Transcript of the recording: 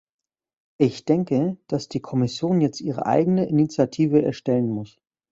Ich denke, dass die Kommission jetzt ihre eigene Initiative erstellen muss.